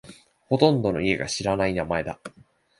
ほとんどの家が知らない名前だ。